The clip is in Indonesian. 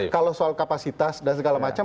kalau soal kapasitas dan segala macam